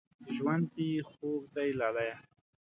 ژوند دې خوږ دی لالیه